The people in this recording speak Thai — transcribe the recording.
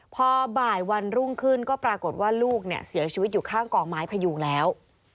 พอบ่ายวันรุ่งขึ้นก็ปรากฏว่าลูกเนี่ยเสียชีวิตอยู่ข้างกองไม้พยุงแล้ว